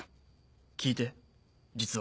聞いて実は。